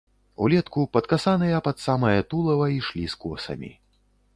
Улетку, падкасаныя пад самае тулава, ішлі з косамі.